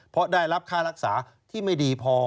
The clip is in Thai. เพราะได้รับค่ารักษาที่ไม่ดีพอ